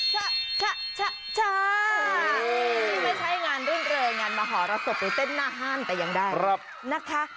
ชะชานี่ไม่ใช่งานรื่นเริงงานมหรสบหรือเต้นหน้าห้านแต่ยังได้นะคะ